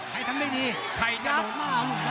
ใครกระโดดมาเอาหนุ่มกัน